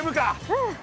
うん。